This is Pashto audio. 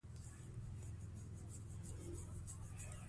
د ولس ګډون د مشروعیت د ساتنې او باور د پیاوړتیا لپاره حیاتي دی